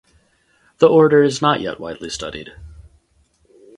The order is not yet widely studied.